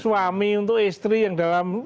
suami untuk istri yang dalam